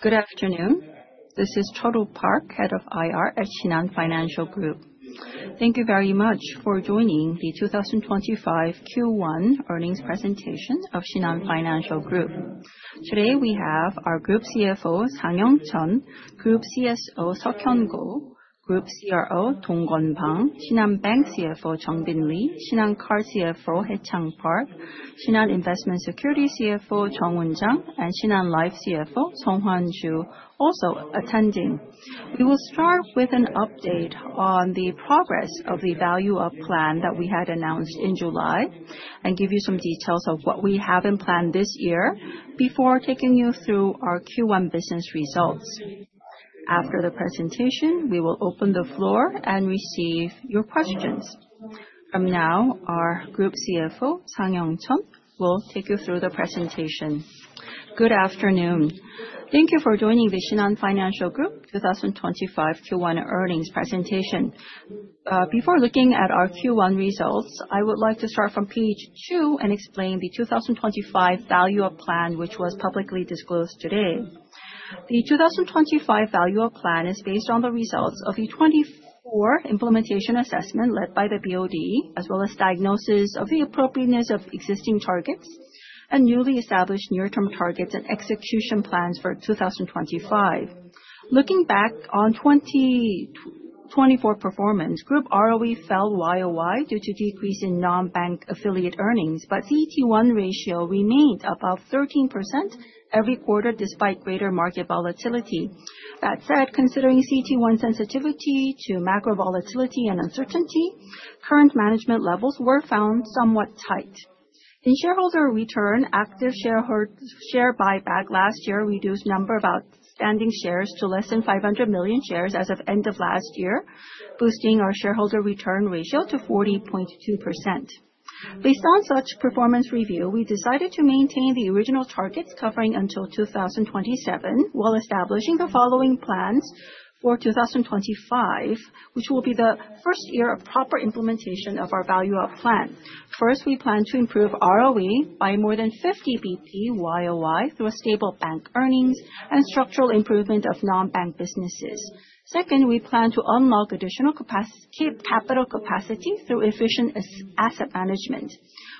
Good afternoon. This is Cheol Woo Park, Head of IR at Shinhan Financial Group. Thank you very much for joining the 2025 Q1 earnings presentation of Shinhan Financial Group. Today we have our Group CFO, Sang-Young Chun, Group CSO, Seog-Heon Koh, Group CRO, Dong-Gun Bang, Shinhan Bank CFO, Jeong-Bin Lee, Shinhan Card CFO, Hae-Chang Park, Shinhan Investment & Securities CFO, Jeong-Hoon Jang, and Shinhan Life CFO, Song Hwan-Joo, also attending. We will start with an update on the progress of the value-up plan that we had announced in July and give you some details of what we have in plan this year before taking you through our Q1 business results. After the presentation, we will open the floor and receive your questions. From now, our Group CFO, Sang-Young Chun, will take you through the presentation. Good afternoon. Thank you for joining the Shinhan Financial Group 2025 Q1 earnings presentation. Before looking at our Q1 results, I would like to start from page 2 and explain the 2025 value-up plan, which was publicly disclosed today. The 2025 value-up plan is based on the results of a 2024 implementation assessment led by the BoD, as well as diagnosis of the appropriateness of existing targets and newly established near-term targets and execution plans for 2025. Looking back on 2024 performance, Group ROE fell YOY due to a decrease in non-bank affiliate earnings, but the CET1 ratio remained above 13% every quarter despite greater market volatility. That said, considering CET1 sensitivity to macro volatility and uncertainty, current management levels were found somewhat tight. In shareholder return, active share buyback last year reduced the number of outstanding shares to less than 500 million shares as of the end of last year, boosting our shareholder return ratio to 40.2%. Based on such performance review, we decided to maintain the original targets covering until 2027 while establishing the following plans for 2025, which will be the first year of proper implementation of our value-up plan. First, we plan to improve ROE by more than 50 basis points YOY through stable bank earnings and structural improvement of non-bank businesses. Second, we plan to unlock additional capital capacity through efficient asset management.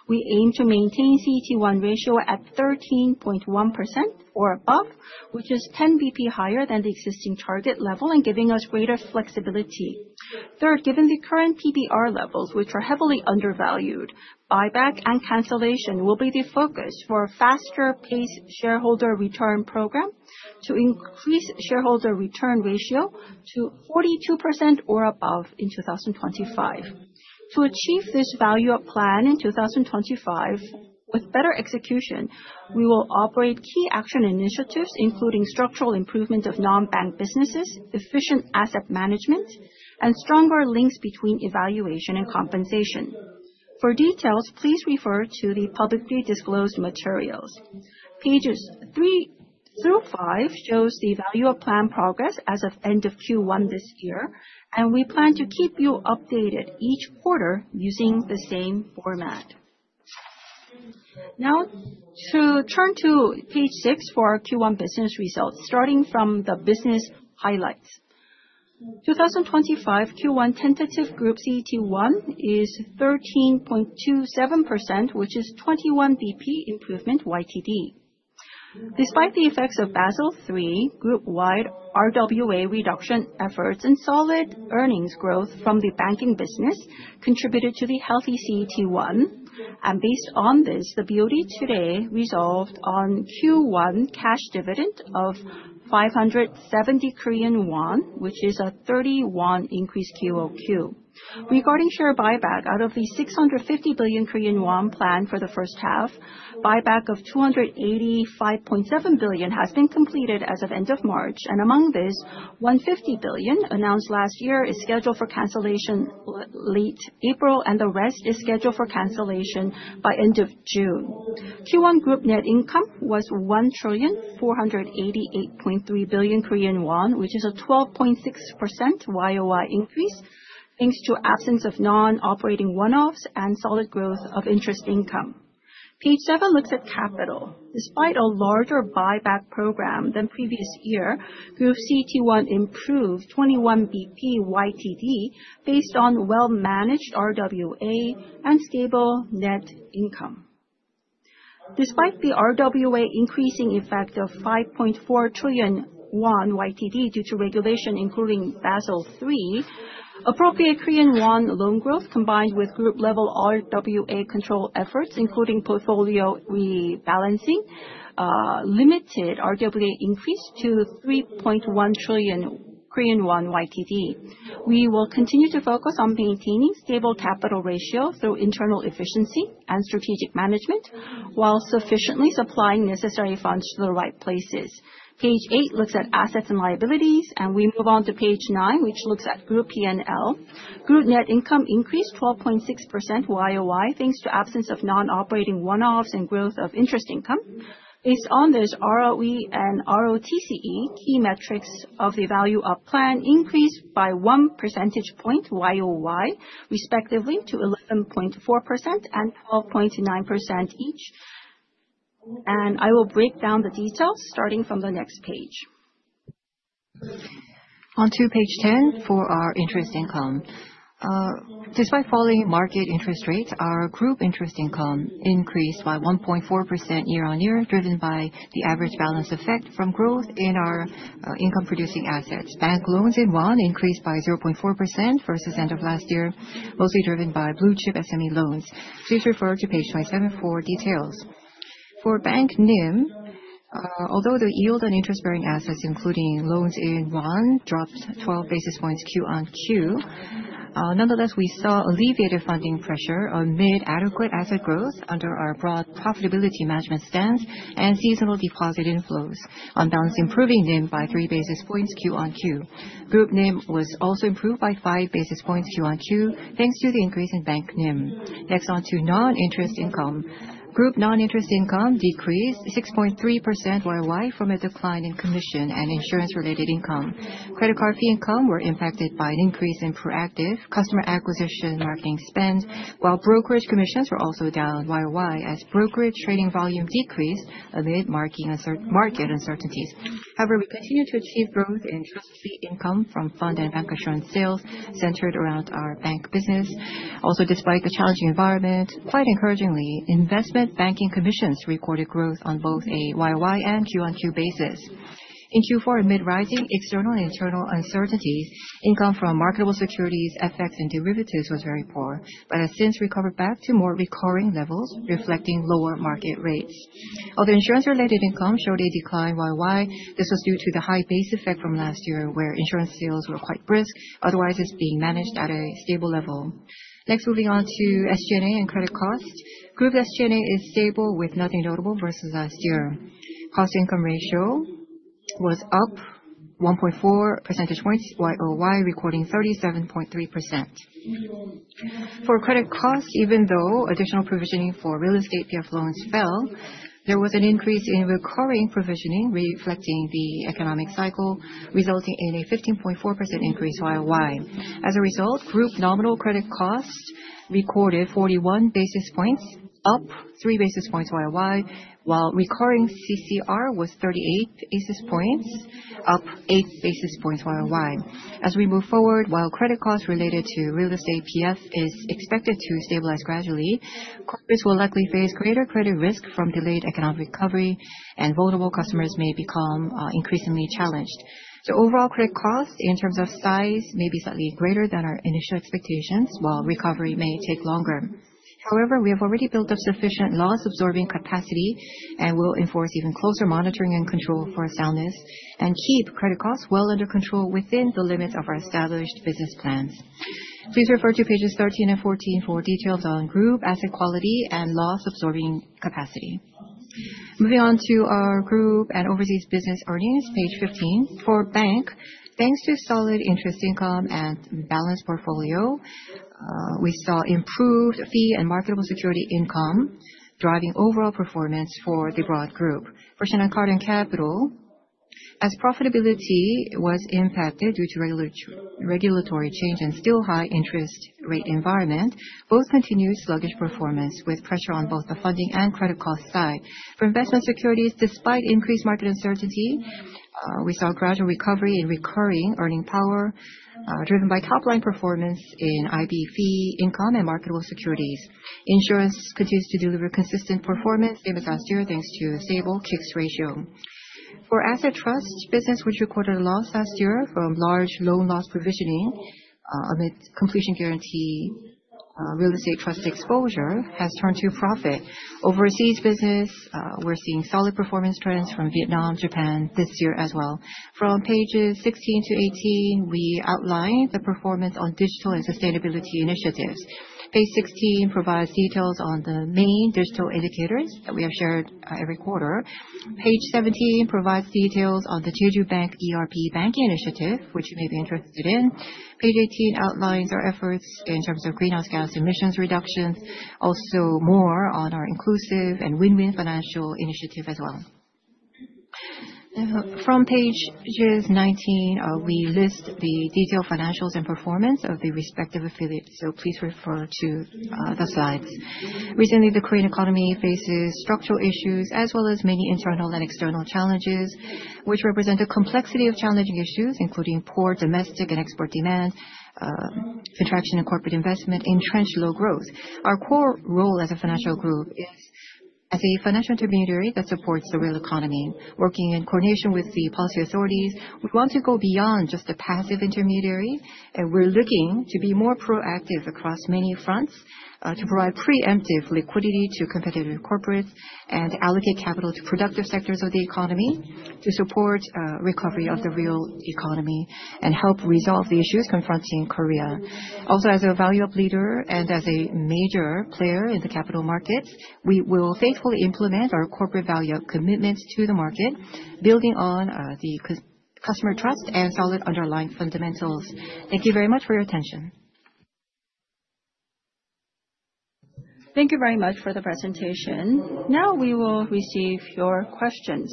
We aim to maintain the CET1 ratio at 13.1% or above, which is 10 basis points higher than the existing target level and giving us greater flexibility. Third, given the current PBR levels, which are heavily undervalued, buyback and cancellation will be the focus for a faster-paced shareholder return program to increase the shareholder return ratio to 42% or above in 2025. To achieve this value-up plan in 2025 with better execution, we will operate key action initiatives, including structural improvement of non-bank businesses, efficient asset management, and stronger links between evaluation and compensation. For details, please refer to the publicly disclosed materials. Pages 3 through 5 show the value-up plan progress as of the end of Q1 this year, and we plan to keep you updated each quarter using the same format. Now, to turn to page 6 for our Q1 business results, starting from the business highlights. 2025 Q1 tentative Group CET1 is 13.27%, which is 21 basis points improvement year to date. Despite the effects of Basel III group-wide RWA reduction efforts and solid earnings growth from the banking business, it contributed to the healthy CET1. Based on this, the BoD today resolved on Q1 cash dividend of 570 Korean won, which is a 30 won increase quarter over quarter. Regarding share buyback, out of the 650 billion Korean won planned for the first half, buyback of 285.7 billion has been completed as of the end of March. Among this, 150 billion announced last year is scheduled for cancellation late April, and the rest is scheduled for cancellation by the end of June. Q1 group net income was 1,488.3 billion Korean won, which is a 12.6% YOY increase thanks to the absence of non-operating one-offs and solid growth of interest income. Page 7 looks at capital. Despite a larger buyback program than the previous year, group CET1 improved 21 basis points YTD based on well-managed RWA and stable net income. Despite the RWA increasing effect of 5.4 trillion won YTD due to regulation, including Basel III, appropriate Korean Won loan growth combined with group-level RWA control efforts, including portfolio rebalancing, limited RWA increase to 3.1 trillion Korean won YTD. We will continue to focus on maintaining a stable capital ratio through internal efficiency and strategic management while sufficiently supplying necessary funds to the right places. Page 8 looks at assets and liabilities, and we move on to page 9, which looks at Group P&L. Group net income increased 12.6% YOY thanks to the absence of non-operating one-offs and growth of interest income. Based on this, ROE and ROTCE key metrics of the value-up plan increased by 1 percentage point YOY, respectively to 11.4% and 12.9% each. I will break down the details starting from the next page. Onto page 10 for our interest income. Despite falling market interest rates, our group interest income increased by 1.4% year-on-year, driven by the average balance effect from growth in our income-producing assets. Bank loans in Won increased by 0.4% versus the end of last year, mostly driven by blue-chip SME loans. Please refer to page 27 for details. For bank NIM, although the yield on interest-bearing assets, including loans in Won, dropped 12 basis points Q on Q, nonetheless, we saw alleviated funding pressure amid adequate asset growth under our broad profitability management stance and seasonal deposit inflows, on balance improving NIM by 3 basis points Q on Q. Group NIM was also improved by 5 basis points Q on Q thanks to the increase in bank NIM. Next, onto non-interest income. Group non-interest income decreased 6.3% YOY from a decline in commission and insurance-related income. Credit card fee income was impacted by an increase in proactive customer acquisition marketing spend, while brokerage commissions were also down YOY as brokerage trading volume decreased amid market uncertainties. However, we continue to achieve growth in trust fee income from fund and bancassurance sales centered around our bank business. Also, despite the challenging environment, quite encouragingly, investment banking commissions recorded growth on both a YOY and Q on Q basis. In Q4, amid rising external and internal uncertainties, income from marketable securities, FX, and derivatives was very poor, but has since recovered back to more recurring levels, reflecting lower market rates. Although insurance-related income showed a decline YOY, this was due to the high base effect from last year, where insurance sales were quite brisk; otherwise, it's being managed at a stable level. Next, moving on to SG&A and credit costs. Group SG&A is stable with nothing notable versus last year. Cost-to-income ratio was up 1.4 percentage points YOY, recording 37.3%. For credit costs, even though additional provisioning for real estate PF loans fell, there was an increase in recurring provisioning, reflecting the economic cycle, resulting in a 15.4% increase YOY. As a result, group nominal credit costs recorded 41 basis points, up 3 basis points YOY, while recurring CCR was 38 basis points, up 8 basis points YOY. As we move forward, while credit costs related to real estate PF is expected to stabilize gradually, corporates will likely face greater credit risk from delayed economic recovery, and vulnerable customers may become increasingly challenged. Overall, credit costs, in terms of size, may be slightly greater than our initial expectations, while recovery may take longer. However, we have already built up sufficient loss-absorbing capacity and will enforce even closer monitoring and control for soundness and keep credit costs well under control within the limits of our established business plans. Please refer to pages 13 and 14 for details on group asset quality and loss-absorbing capacity. Moving on to our group and overseas business earnings, page 15. For bank, thanks to solid interest income and balanced portfolio, we saw improved fee and marketable security income driving overall performance for the broad group. For Shinhan Card and Capital, as profitability was impacted due to regulatory change and still high interest rate environment, both continued sluggish performance with pressure on both the funding and credit cost side. For investment securities, despite increased market uncertainty, we saw gradual recovery in recurring earning power, driven by top-line performance in IB fee income and marketable securities. Insurance continues to deliver consistent performance same as last year thanks to a stable K-ICS ratio. For asset trust business, which recorded loss last year from large loan loss provisioning amid completion guarantee real estate trust exposure, has turned to profit. Overseas business, we're seeing solid performance trends from Vietnam, Japan this year as well. From pages 16 to 18, we outline the performance on digital and sustainability initiatives. Page 16 provides details on the main digital indicators that we have shared every quarter. Page 17 provides details on the Jeju Bank ERP banking initiative, which you may be interested in. Page 18 outlines our efforts in terms of greenhouse gas emissions reductions, also more on our inclusive and win-win financial initiative as well. From page 19, we list the detailed financials and performance of the respective affiliates, so please refer to the slides. Recently, the Korean economy faces structural issues as well as many internal and external challenges, which represent a complexity of challenging issues, including poor domestic and export demand, contraction in corporate investment, and entrenched low growth. Our core role as a financial group is as a financial intermediary that supports the real economy, working in coordination with the policy authorities. We want to go beyond just a passive intermediary, and we're looking to be more proactive across many fronts to provide preemptive liquidity to competitive corporates and allocate capital to productive sectors of the economy to support the recovery of the real economy and help resolve the issues confronting Korea. Also, as a value-up leader and as a major player in the capital markets, we will faithfully implement our corporate value-up commitments to the market, building on the customer trust and solid underlying fundamentals. Thank you very much for your attention. Thank you very much for the presentation. Now we will receive your questions.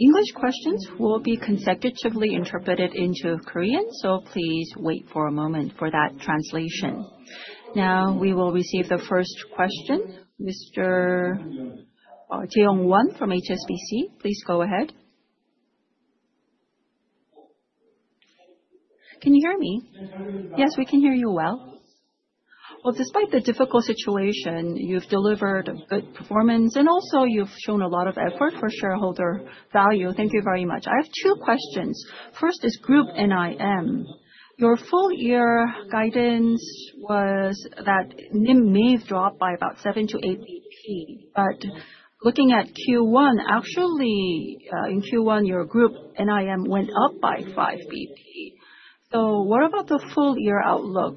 English questions will be consecutively interpreted into Korean, so please wait for a moment for that translation. Now we will receive the first question. Mr. Jae-Woong Won from HSBC, please go ahead. Can you hear me? Yes, we can hear you well. Despite the difficult situation, you've delivered good performance, and also you've shown a lot of effort for shareholder value. Thank you very much. I have two questions. First is Group NIM. Your full-year guidance was that NIM may have dropped by about 7-8 basis points, but looking at Q1, actually in Q1, your Group NIM went up by 5 basis points. What about the full-year outlook?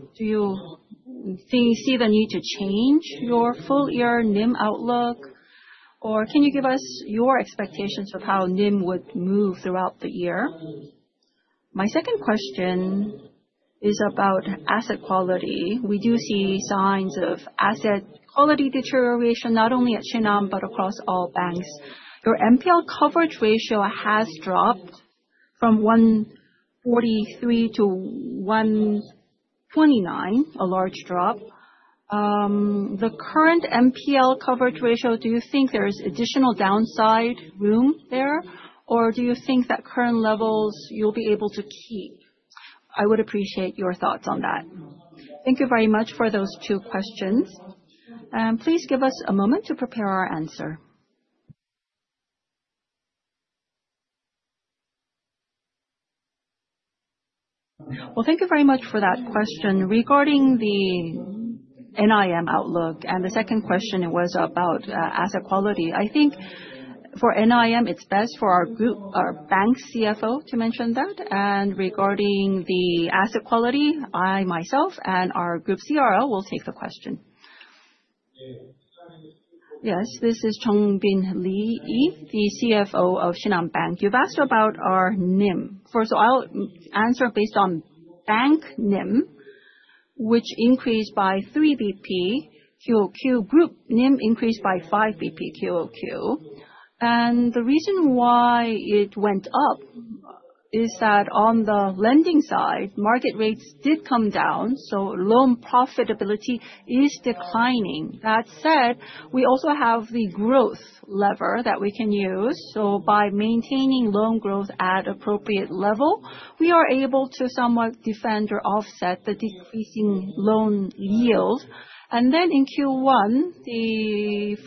Do you see the need to change your full-year NIM outlook, or can you give us your expectations of how NIM would move throughout the year? My second question is about asset quality. We do see signs of asset quality deterioration not only at Shinhan but across all banks. Your MPL coverage ratio has dropped from 143 to 129, a large drop. The current MPL coverage ratio, do you think there's additional downside room there, or do you think that current levels you'll be able to keep? I would appreciate your thoughts on that. Thank you very much for those two questions. Please give us a moment to prepare our answer. Thank you very much for that question. Regarding the NIM outlook, and the second question was about asset quality. I think for NIM, it's best for our Bank CFO to mention that. Regarding the asset quality, I myself and our Group CRO will take the question. Yes, this is Jeong-Bin Lee, the CFO of Shinhan Bank. You've asked about our NIM. First, I'll answer based on bank NIM, which increased by 3 basis points quarter over quarter, group NIM increased by 5 basis points quarter over quarter. The reason why it went up is that on the lending side, market rates did come down, so loan profitability is declining. That said, we also have the growth lever that we can use. By maintaining loan growth at an appropriate level, we are able to somewhat defend or offset the decreasing loan yield. In Q1, the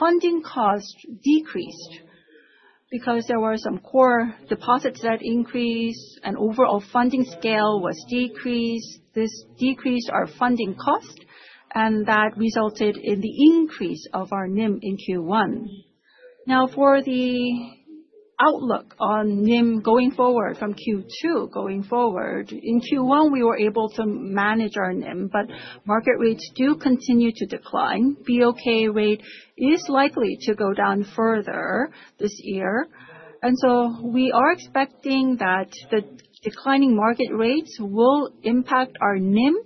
funding cost decreased because there were some core deposits that increased, and overall funding scale was decreased. This decreased our funding cost, and that resulted in the increase of our NIM in Q1. Now, for the outlook on NIM going forward from Q2 going forward, in Q1, we were able to manage our NIM, but market rates do continue to decline. BOK rate is likely to go down further this year. We are expecting that the declining market rates will impact our NIM,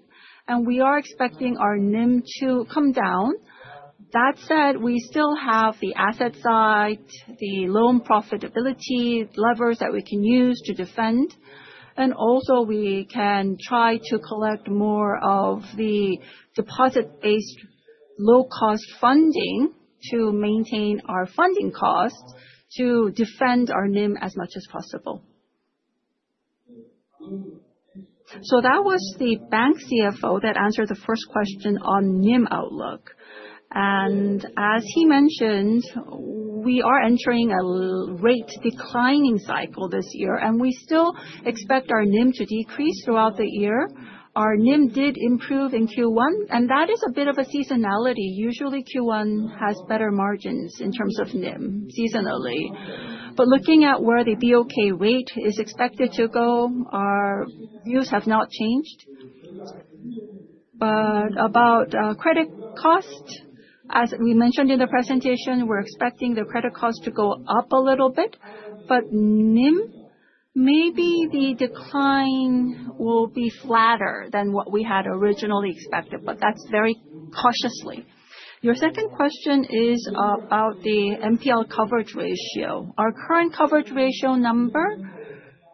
and we are expecting our NIM to come down. That said, we still have the asset side, the loan profitability levers that we can use to defend, and also we can try to collect more of the deposit-based low-cost funding to maintain our funding costs to defend our NIM as much as possible. That was the Bank CFO that answered the first question on NIM outlook. As he mentioned, we are entering a rate declining cycle this year, and we still expect our NIM to decrease throughout the year. Our NIM did improve in Q1, and that is a bit of a seasonality. Usually, Q1 has better margins in terms of NIM seasonally. Looking at where the BOK rate is expected to go, our views have not changed. About credit cost, as we mentioned in the presentation, we're expecting the credit cost to go up a little bit, but NIM, maybe the decline will be flatter than what we had originally expected, but that's very cautiously. Your second question is about the MPL coverage ratio. Our current coverage ratio number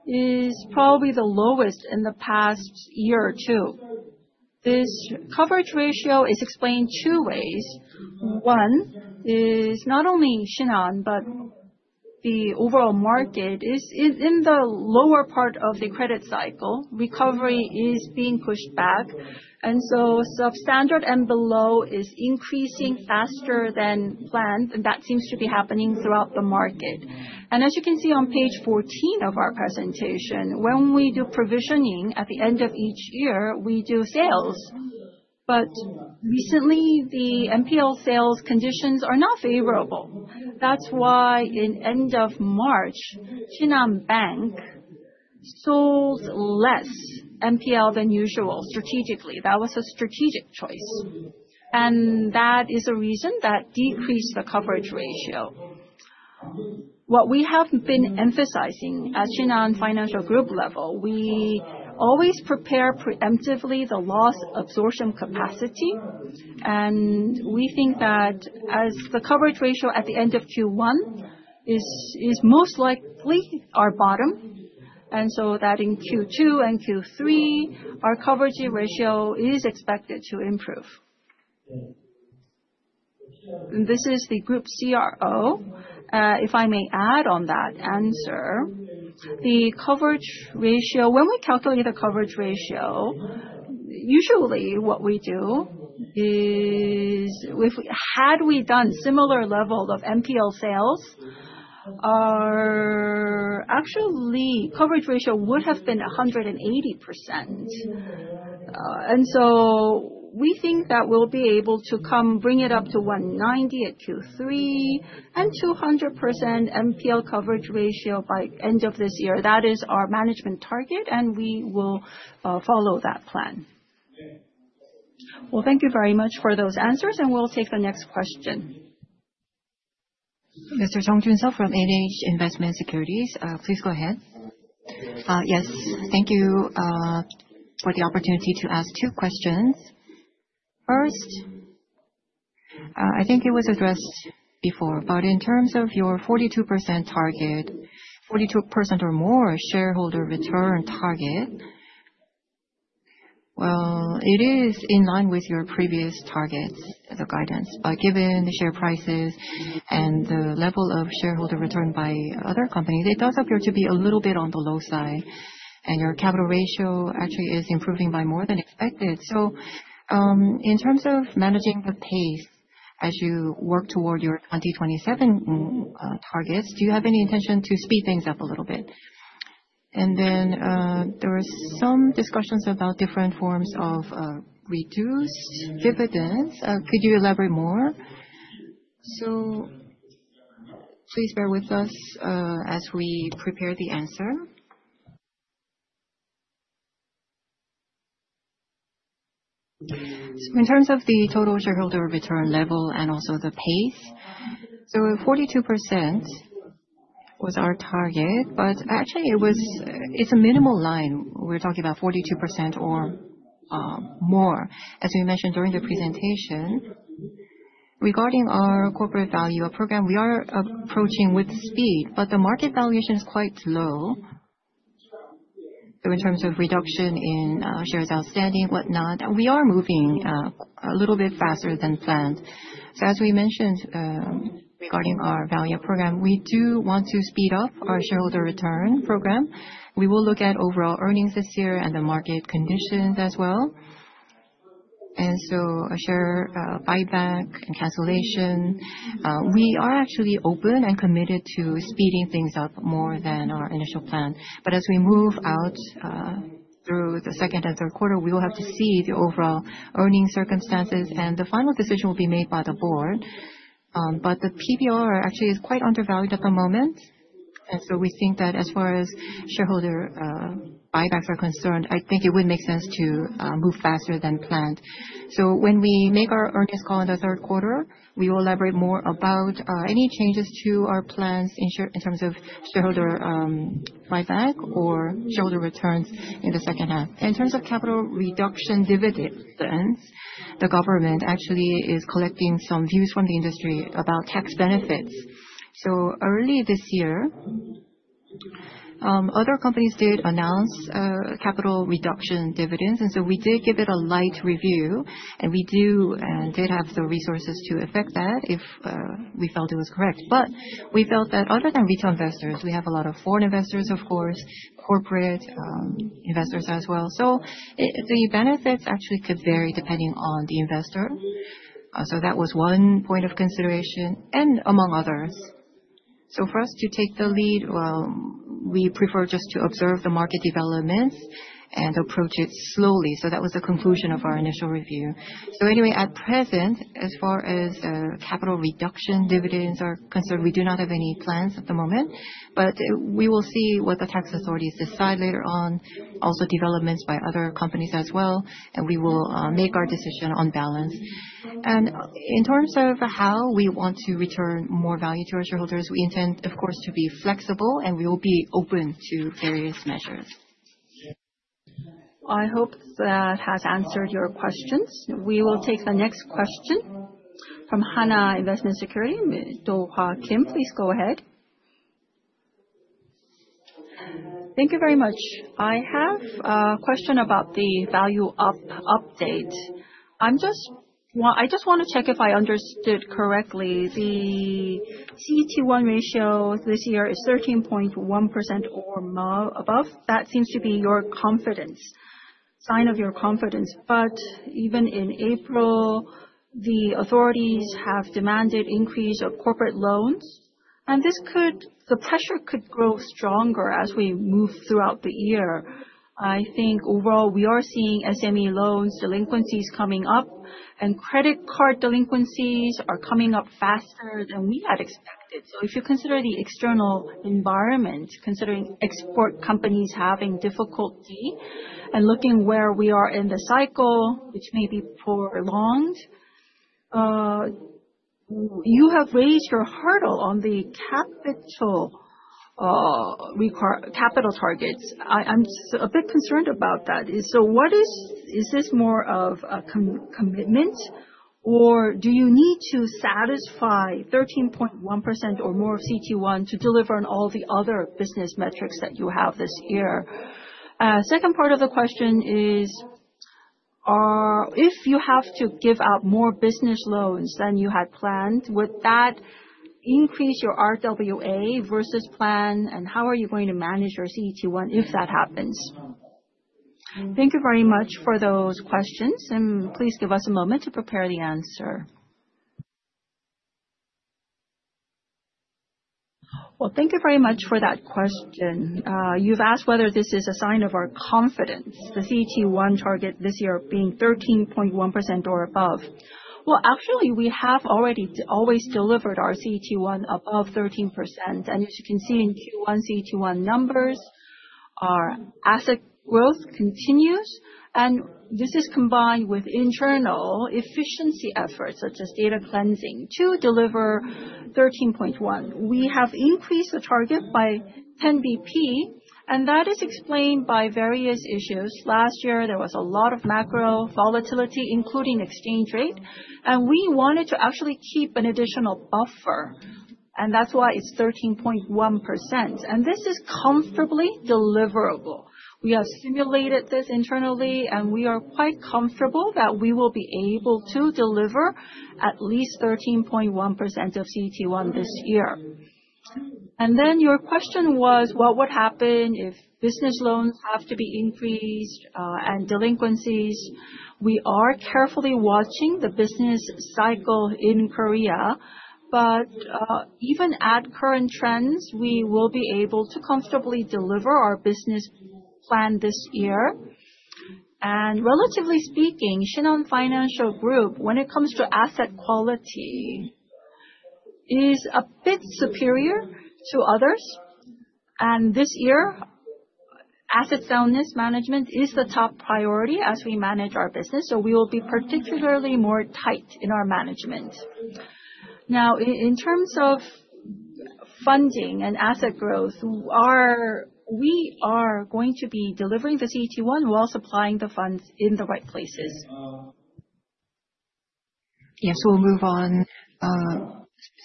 is probably the lowest in the past year or two. This coverage ratio is explained two ways. One is not only Shinhan, but the overall market is in the lower part of the credit cycle. Recovery is being pushed back, and so substandard and below is increasing faster than planned, and that seems to be happening throughout the market. As you can see on page 14 of our presentation, when we do provisioning at the end of each year, we do sales. Recently, the MPL sales conditions are not favorable. That is why at the end of March, Shinhan Bank sold less MPL than usual strategically. That was a strategic choice, and that is a reason that decreased the coverage ratio. What we have been emphasizing at Shinhan Financial Group level, we always prepare preemptively the loss absorption capacity, and we think that as the coverage ratio at the end of Q1 is most likely our bottom, in Q2 and Q3, our coverage ratio is expected to improve. This is the Group CRO. If I may add on that answer, the coverage ratio, when we calculate the coverage ratio, usually what we do is if had we done a similar level of MPL sales, our actual coverage ratio would have been 180%. We think that we'll be able to bring it up to 190% at Q3 and 200% MPL coverage ratio by the end of this year. That is our management target, and we will follow that plan. Thank you very much for those answers, and we'll take the next question. Mr. Jeong Jun-sup from NH Investment & Securities, please go ahead. Yes, thank you for the opportunity to ask two questions. First, I think it was addressed before, but in terms of your 42% target, 42% or more shareholder return target, it is in line with your previous targets as a guidance. Given the share prices and the level of shareholder return by other companies, it does appear to be a little bit on the low side, and your capital ratio actually is improving by more than expected. In terms of managing the pace as you work toward your 2027 targets, do you have any intention to speed things up a little bit? There were some discussions about different forms of reduced dividends. Could you elaborate more? Please bear with us as we prepare the answer. In terms of the total shareholder return level and also the pace, 42% was our target, but actually it is a minimal line. We are talking about 42% or more. As we mentioned during the presentation, regarding our corporate value-up program, we are approaching with speed, but the market valuation is quite low. In terms of reduction in shares outstanding, whatnot, we are moving a little bit faster than planned. As we mentioned regarding our value-up program, we do want to speed up our shareholder return program. We will look at overall earnings this year and the market conditions as well. A share buyback, encapsulation, we are actually open and committed to speeding things up more than our initial plan. As we move out through the second and third quarter, we will have to see the overall earning circumstances, and the final decision will be made by the board. The PBR actually is quite undervalued at the moment. We think that as far as shareholder buybacks are concerned, it would make sense to move faster than planned. When we make our earnings call in the third quarter, we will elaborate more about any changes to our plans in terms of shareholder buyback or shareholder returns in the second half. In terms of capital reduction dividends, the government actually is collecting some views from the industry about tax benefits. Early this year, other companies did announce capital reduction dividends, and we did give it a light review, and we did have the resources to affect that if we felt it was correct. We felt that other than retail investors, we have a lot of foreign investors, of course, corporate investors as well. The benefits actually could vary depending on the investor. That was one point of consideration among others. For us to take the lead, we prefer just to observe the market developments and approach it slowly. That was the conclusion of our initial review. Anyway, at present, as far as capital reduction dividends are concerned, we do not have any plans at the moment. We will see what the tax authorities decide later on, also developments by other companies as well, and we will make our decision on balance. In terms of how we want to return more value to our shareholders, we intend, of course, to be flexible, and we will be open to various measures. I hope that has answered your questions. We will take the next question from Hanwha Investment & Securities. Kim, please go ahead. Thank you very much. I have a question about the value-up update. I just want to check if I understood correctly. The CET1 ratio this year is 13.1% or above. That seems to be your confidence, sign of your confidence. Even in April, the authorities have demanded an increase of corporate loans, and this could, the pressure could grow stronger as we move throughout the year. I think overall we are seeing SME loans delinquencies coming up, and credit card delinquencies are coming up faster than we had expected. If you consider the external environment, considering export companies having difficulty and looking where we are in the cycle, which may be prolonged, you have raised your hurdle on the capital targets. I'm a bit concerned about that. What is, is this more of a commitment, or do you need to satisfy 13.1% or more of CET1 to deliver on all the other business metrics that you have this year? Second part of the question is, if you have to give out more business loans than you had planned, would that increase your RWA versus plan, and how are you going to manage your CET1 if that happens? Thank you very much for those questions, and please give us a moment to prepare the answer. Thank you very much for that question. You've asked whether this is a sign of our confidence, the CET1 target this year being 13.1% or above. Actually, we have already always delivered our CET1 above 13%, and as you can see in Q1 CET1 numbers, our asset growth continues, and this is combined with internal efficiency efforts such as data cleansing to deliver 13.1%. We have increased the target by 10 basis points, and that is explained by various issues. Last year, there was a lot of macro volatility, including exchange rate, and we wanted to actually keep an additional buffer, and that's why it's 13.1%. This is comfortably deliverable. We have simulated this internally, and we are quite comfortable that we will be able to deliver at least 13.1% of CET1 this year. Your question was, what would happen if business loans have to be increased and delinquencies? We are carefully watching the business cycle in Korea, but even at current trends, we will be able to comfortably deliver our business plan this year. Relatively speaking, Shinhan Financial Group, when it comes to asset quality, is a bit superior to others, and this year, asset soundness management is the top priority as we manage our business, so we will be particularly more tight in our management. Now, in terms of funding and asset growth, we are going to be delivering the CET1 while supplying the funds in the right places. Yes, we'll move on.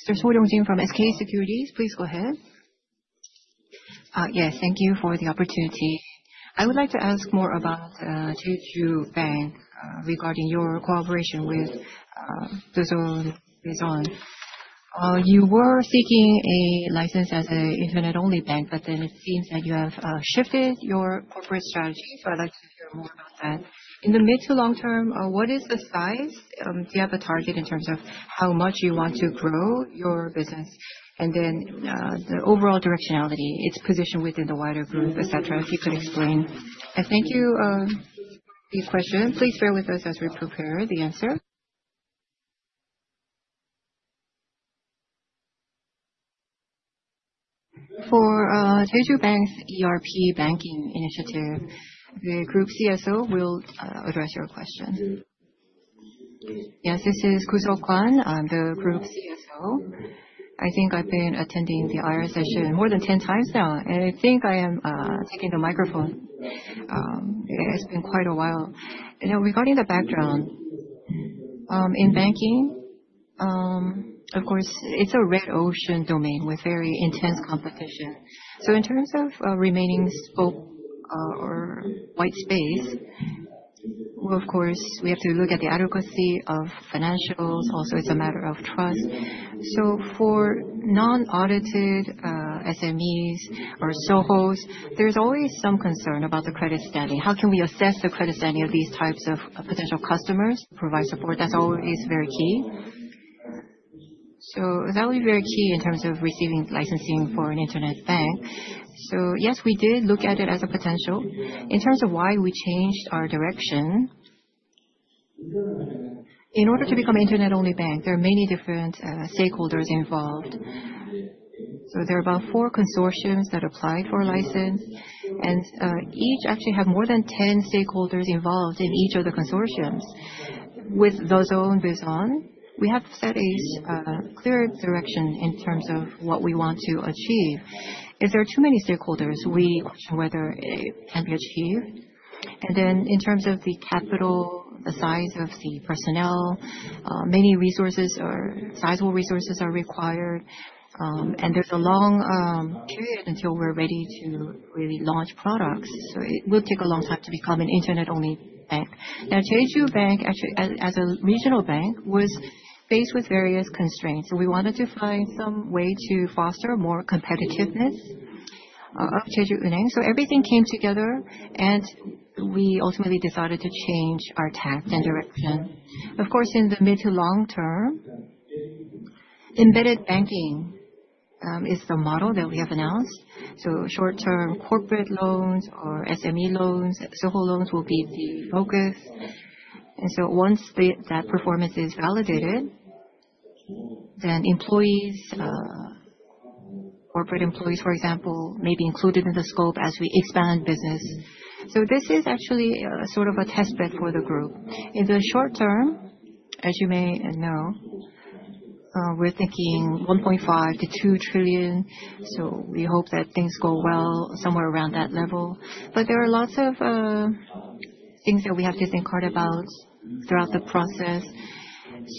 Mr. Seol Yong-jin from SK Securities, please go ahead. Yes, thank you for the opportunity. I would like to ask more about Jeju Bank regarding your cooperation with Douzone Bizon. You were seeking a license as an internet-only bank, but then it seems that you have shifted your corporate strategy, so I'd like to hear more about that. In the mid to long term, what is the size? Do you have a target in terms of how much you want to grow your business? The overall directionality, its position within the wider group, et cetera, if you could explain. Thank you for these questions. Please bear with us as we prepare the answer. For Jeju Bank's ERP banking initiative, the Group CSO will address your question. Yes, this is SeogHeon Koh. I'm the Group CSO. I think I've been attending the IR session more than 10 times now, and I think I am taking the microphone. It has been quite a while. Regarding the background in banking, of course, it's a red ocean domain with very intense competition. In terms of remaining scope or white space, of course, we have to look at the adequacy of financials. Also, it's a matter of trust. For non-audited SMEs or SOHOs, there's always some concern about the credit standing. How can we assess the credit standing of these types of potential customers to provide support? That's always very key. That would be very key in terms of receiving licensing for an internet bank. Yes, we did look at it as a potential. In terms of why we changed our direction, in order to become an internet-only bank, there are many different stakeholders involved. There are about four consortiums that applied for a license, and each actually had more than 10 stakeholders involved in each of the consortiums. With Douzone Bizon, we have set a clear direction in terms of what we want to achieve. If there are too many stakeholders, we question whether it can be achieved. In terms of the capital, the size of the personnel, many resources or sizable resources are required, and there is a long period until we are ready to really launch products. It will take a long time to become an internet-only bank. Jeju Bank, actually as a regional bank, was faced with various constraints. We wanted to find some way to foster more competitiveness of Jeju earnings. Everything came together, and we ultimately decided to change our tact and direction. Of course, in the mid to long term, embedded banking is the model that we have announced. Short-term corporate loans or SME loans, SOHO loans will be the focus. Once that performance is validated, then employees, corporate employees, for example, may be included in the scope as we expand business. This is actually sort of a test bed for the group. In the short term, as you may know, we're thinking 1.5 trillion-2 trillion. We hope that things go well, somewhere around that level. There are lots of things that we have to think hard about throughout the process.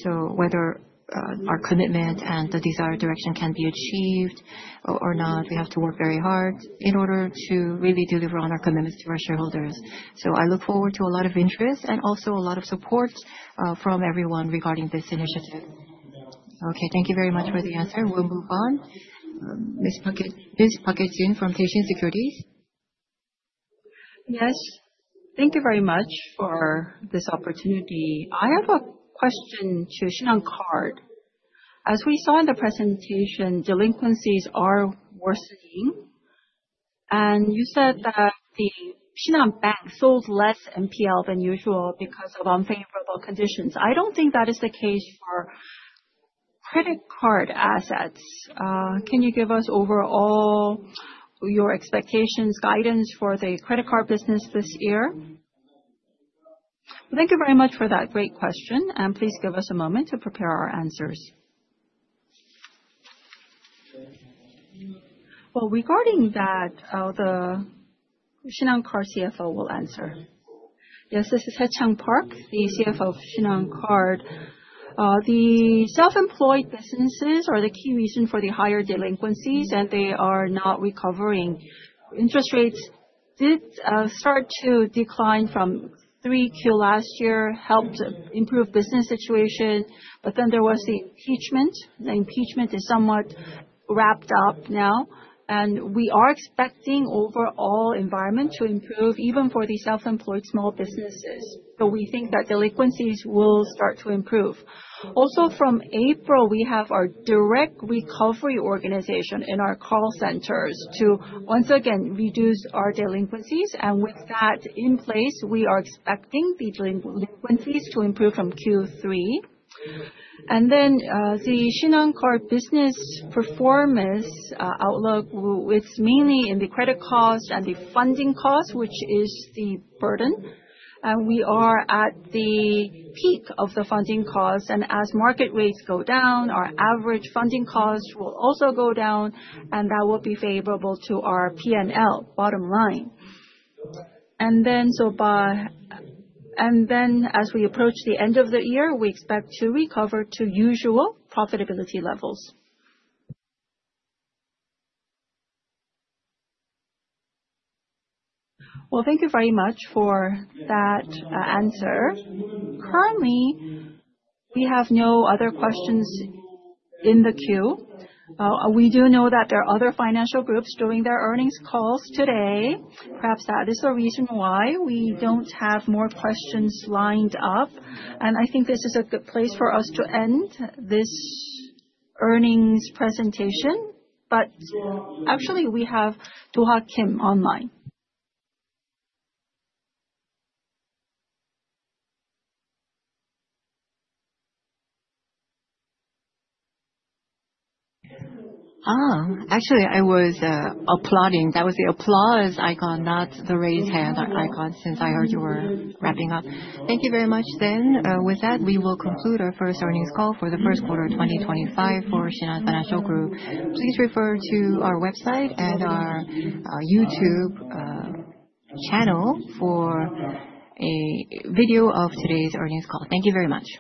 Whether our commitment and the desired direction can be achieved or not, we have to work very hard in order to really deliver on our commitments to our shareholders. I look forward to a lot of interest and also a lot of support from everyone regarding this initiative. Okay, thank you very much for the answer. We'll move on. Ms. Park Hye-jin from Daishin Securities. Yes, thank you very much for this opportunity. I have a question to Shinhan Card. As we saw in the presentation, delinquencies are worsening, and you said that Shinhan Bank sold less MPL than usual because of unfavorable conditions. I do not think that is the case for credit card assets. Can you give us overall your expectations, guidance for the credit card business this year? Thank you very much for that great question, and please give us a moment to prepare our answers. Regarding that, the Shinhan Card CFO will answer. Yes, this is Hae-Chang Park, the CFO of Shinhan Card. The self-employed businesses are the key reason for the higher delinquencies, and they are not recovering. Interest rates did start to decline from 3Q last year, helped improve business situation, but then there was the impeachment. The impeachment is somewhat wrapped up now, and we are expecting overall environment to improve even for the self-employed small businesses. We think that delinquencies will start to improve. Also, from April, we have our direct recovery organization in our call centers to once again reduce our delinquencies, and with that in place, we are expecting the delinquencies to improve from Q3. The Shinhan Card business performance outlook, it's mainly in the credit cost and the funding cost, which is the burden, and we are at the peak of the funding cost, and as market rates go down, our average funding cost will also go down, and that will be favorable to our P&L bottom line. As we approach the end of the year, we expect to recover to usual profitability levels. Thank you very much for that answer. Currently, we have no other questions in the queue. We do know that there are other financial groups doing their earnings calls today. Perhaps that is the reason why we don't have more questions lined up, and I think this is a good place for us to end this earnings presentation, but actually we have Do-Ha Kim online. Actually, I was applauding. That was the applause icon, not the raise hand icon, since I heard you were wrapping up. Thank you very much then. With that, we will conclude our first earnings call for the first quarter of 2025 for Shinhan Financial Group. Please refer to our website and our YouTube channel for a video of today's earnings call. Thank you very much.